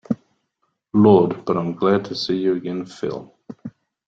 Lord, but I'm glad to see you again, Phil.